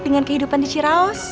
dengan kehidupan dia